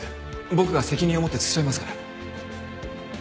僕が責任を持って付き添いますから。